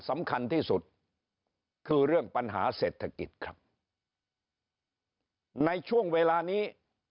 สำคัญที่สุดคือเรื่องปัญหาเศรษฐกิจครับในช่วงเวลานี้